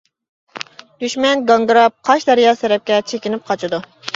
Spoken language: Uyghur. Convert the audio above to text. دۈشمەن گاڭگىراپ، قاش دەرياسى تەرەپكە چېكىنىپ قاچىدۇ.